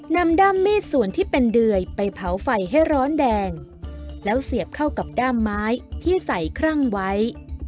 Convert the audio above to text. ด้ามมีดส่วนที่เป็นเดื่อยไปเผาไฟให้ร้อนแดงแล้วเสียบเข้ากับด้ามไม้ที่ใส่ครั่งไว้